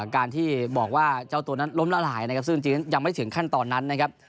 การที่บอกว่าเจ้าตัวนั้นล้มละลายนะครับซึ่งจริงยังไม่ถึงขั้นตอนนั้นนะครับ